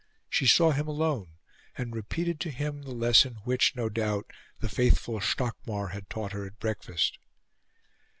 She saw him alone, and repeated to him the lesson which, no doubt, the faithful Stockmar had taught her at breakfast.